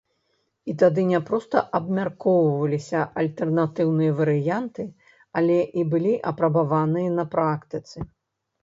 І тады не проста абмяркоўваліся альтэрнатыўныя варыянты, але і былі апрабаваныя на практыцы.